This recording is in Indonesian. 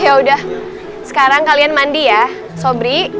yaudah sekarang kalian mandi ya sobri